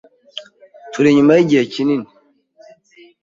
Turi inyuma yigihe kinini